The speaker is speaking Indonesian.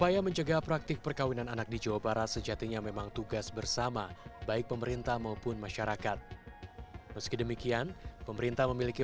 jangan lupa like share dan subscribe channel ini